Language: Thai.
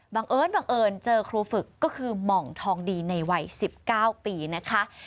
บังเอิญบังเอิญเจอครูฝึกก็คือหม่องทองดีในวัย๑๙ปีนะคะ